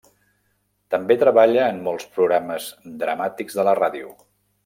També treballa en molts programes dramàtics de la ràdio.